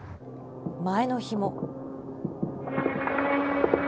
前の日も。